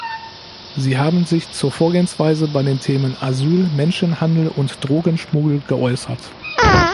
Sie haben sich zur Vorgehensweise bei den Themen Asyl, Menschenhandel und Drogenschmuggel geäußert.